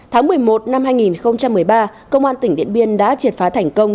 tháng một mươi một năm hai nghìn một mươi ba công an tỉnh điện biên đã triệt phá thành công